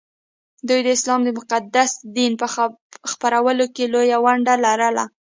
دوی د اسلام د مقدس دین په خپرولو کې لویه ونډه لرله